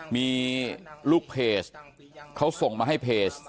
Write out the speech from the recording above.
มีลูกเพจเขาส่งมาให้เพจ